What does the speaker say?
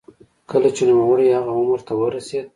کله چې نوموړی هغه عمر ته ورسېد.